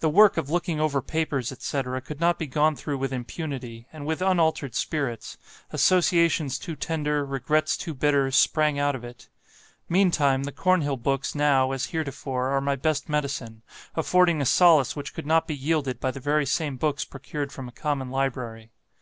The work of looking over papers, etc., could not be gone through with impunity, and with unaltered spirits; associations too tender, regrets too bitter, sprang out of it. Meantime, the Cornhill books now, as heretofore, are my best medicine, affording a solace which could not be yielded by the very same books procured from a common library.